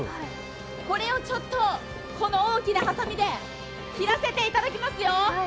これをこの大きなはさみで切らせていただきますよ。